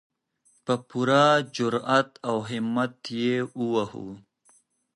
په پوره جرئت او همت یې ووهو.